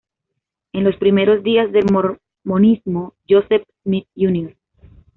En los primeros días del mormonismo, Joseph Smith Jr.